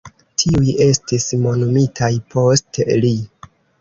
Tiuj estis nomumitaj post li.